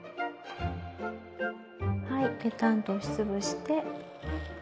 はいぺたんと押し潰して。